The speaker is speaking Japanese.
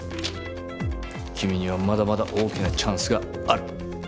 君にはまだまだ大きなチャンスがある。